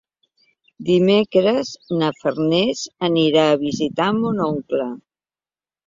Dimecres na Farners anirà a visitar mon oncle.